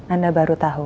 anda baru tahu